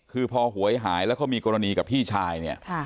คือพอหวยหายแล้วเขามีกรณีกับพี่ชายเนี่ย